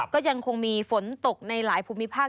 ก็ยังคงมีฝนตกในหลายภูมิภาค